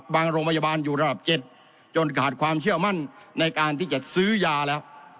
โรงพยาบาลอยู่ระดับ๗จนขาดความเชื่อมั่นในการที่จะซื้อยาแล้ว